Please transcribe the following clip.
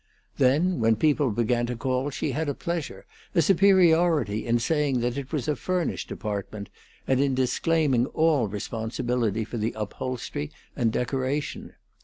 Then, when people began to call, she had a pleasure, a superiority, in saying that it was a furnished apartment, and in disclaiming all responsibility for the upholstery and decoration.